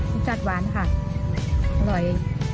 รสชาติหวานค่ะอร่อย